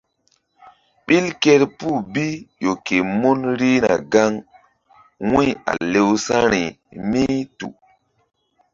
Ɓil kerpuh bi ƴo ke mun rihna gaŋ wu̧y a lewsa̧ri mí tu.